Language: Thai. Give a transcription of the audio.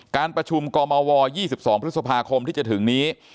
การประชุมกมว๒๒พฤษภาคมที่จะถึงนี้